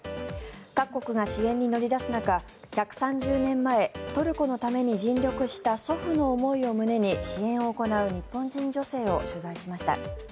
各国が支援に乗り出す中１３０年前トルコのために尽力した祖父の思いを胸に支援を行う日本人女性を取材しました。